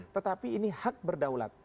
tetapi ini hak berdaulat